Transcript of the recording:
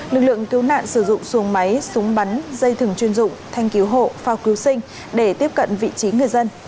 lực lượng cứu nạn sử dụng xuồng máy súng bắn dây thừng chuyên dụng thanh cứu hộ phao cứu sinh để tiếp cận vị trí người dân